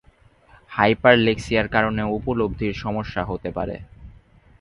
হাইপারলেক্সিয়ার কারণেও উপলব্ধির সমস্যা হতে পারে।